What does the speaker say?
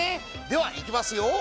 ではいきますよ。